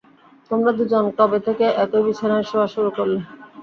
তোমরা দুজন কবে থেকে একই বিছানায় শোয়া শুরু করলে?